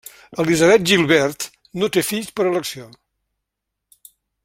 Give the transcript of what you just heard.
Elizabeth Gilbert no té fills per elecció.